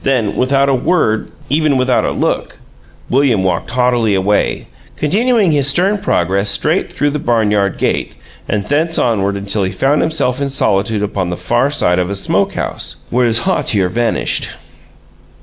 Then, without a word even without a look William walked haughtily away, continuing his stern progress straight through the barn yard gate, and thence onward until he found himself in solitude upon the far side of a smoke house, where his hauteur vanished.